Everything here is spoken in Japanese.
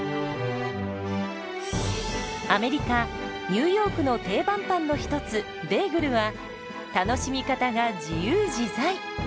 アメリカ・ニューヨークの定番パンの一つベーグルは楽しみ方が自由自在！